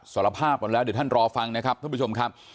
สารภาพหมดแล้วเดี๋ยวท่านรอฟังนะครับท่านผู้ชมครับ